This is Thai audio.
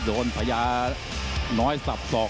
โดนพยาน้อยสับสอก